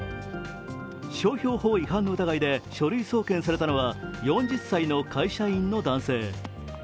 商標法違反の疑いで書類送検されたのは４０歳の会社員の男性。